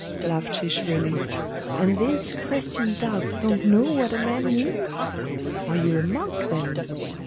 laughed she shrilly. 'And these Christian dogs don't know what a man means? Are you a monk, then?